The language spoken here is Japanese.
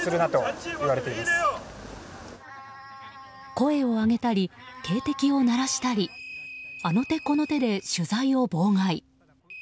声を上げたり警笛を鳴らしたりあの手この手で取材を妨害。